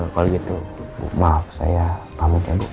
kalau gitu maaf saya pamit ya bu